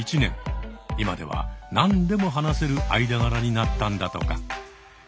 今では何でも話せる間柄になったんだとか。